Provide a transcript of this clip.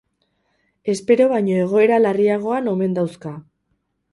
Espero baino egoera larriagoan omen dauzka.